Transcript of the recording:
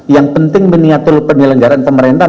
yang penting miniatur penyelenggaran pemerintah